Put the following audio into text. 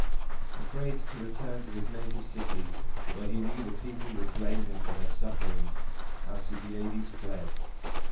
Afraid to return to his native city, where he knew the people would blame him for their sufferings, Alcibiades fled.